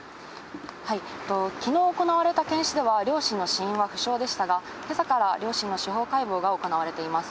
きのう行われた検視では、両親の死因は不詳でしたが、けさから両親の司法解剖が行われています。